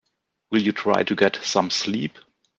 Will you try to get some sleep?